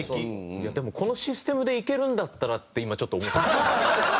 でもこのシステムでいけるんだったらって今ちょっと思ってます。